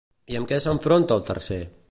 Amb què s'enfronta el tercer?